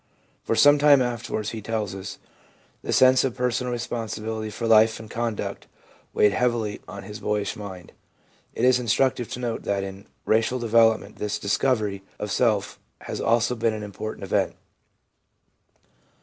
For some time afterwards, he tells us, the sense of personal responsibility for life and conduct weighed heavily on his boyish mind. It is instructive to note that in racial development this dis covery of self has also been an important event.